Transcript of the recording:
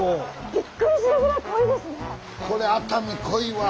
ビックリするぐらい濃いですね。